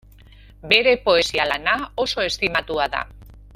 Bere poesia lana oso estimatua da.